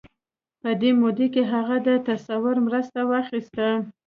په دې موده کې هغه د تصور مرسته واخيسته.